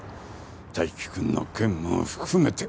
泰生君の件も含めて。